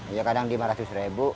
ya kadang lima ratus ribu